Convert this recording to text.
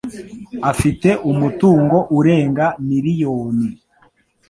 Afite umutungo urenga miliyoni.